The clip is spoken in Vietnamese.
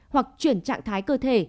hoặc chuyển trạng thái cơ thể